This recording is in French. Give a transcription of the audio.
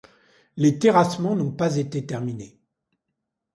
Les terrassements n'ont pas été terminés.